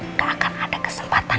nggak akan ada kesempatan